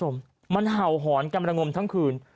มันเห่าหอนกำลังงมทั้งคืน